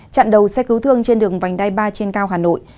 chặn đầu xe cứu thương trên đường vành đai ba trên cao hà nội